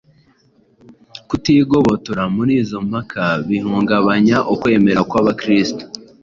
Kutigobotora muri izo mpaka bihungabanya ukwemera kw‟abakristu